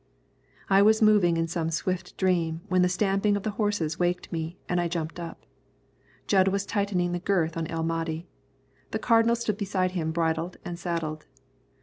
I was moving in some swift dream when the stamping of the horses waked me and I jumped up. Jud was tightening the girth on El Mahdi. The Cardinal stood beside him bridled and saddled.